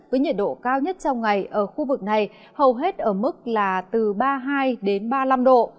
với nhiệt độ cao nhất trong ngày ở khu vực này hầu hết ở mức là từ ba mươi hai đến ba mươi năm độ